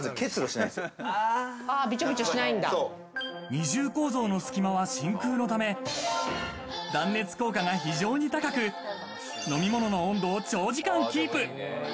二重構造の隙間は真空のため、断熱効果が非常に高く、飲み物の温度を長時間キープ。